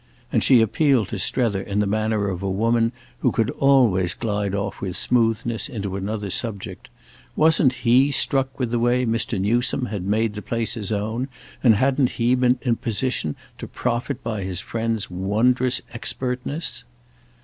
And she appealed to Strether in the manner of a woman who could always glide off with smoothness into another subject. Wasn't he struck with the way Mr. Newsome had made the place his own, and hadn't he been in a position to profit by his friend's wondrous expertness?